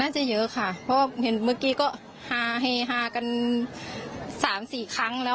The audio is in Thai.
จะเยอะค่ะเพราะเห็นเมื่อกี้ก็ฮาเฮฮากัน๓๔ครั้งแล้ว